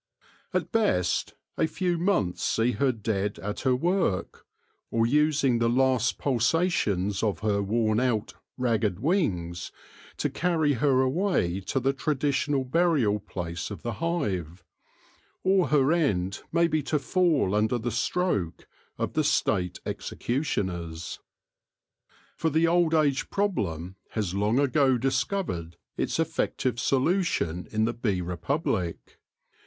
At best a few months see her dead at her work, or using the last pulsations of her worn out, ragged wings to carry her away to the traditional burial place of the hive ; or her end may be to fall under the stroke of the State executioners. 92 THE LORE OF THE HONEY BEE For the old age problem has long ago discovered its effective solution in the bee republic.